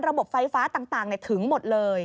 ระบบไฟฟ้าต่างถึงหมดเลย